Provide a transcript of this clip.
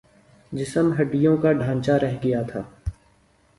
جسم ہڈیوں کا ڈھانچا رہ گیا تھا